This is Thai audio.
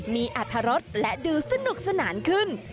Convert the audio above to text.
มีอัตรรสและดูสนุกสนานขึ้น